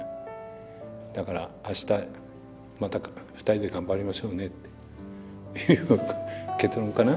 だからあしたまた２人で頑張りましょうねっていう結論かな。